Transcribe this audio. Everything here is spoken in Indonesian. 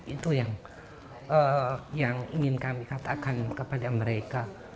itu yang ingin kami katakan kepada mereka